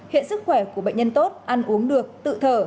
hiện sức khỏe của bệnh nhân tốt ăn uống được tự thở